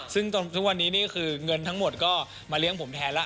ซึ่งทุกวันนี้นี่คือเงินทั้งหมดก็มาเลี้ยงผมแทนแล้ว